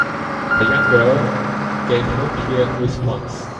The young girl gave no clear response.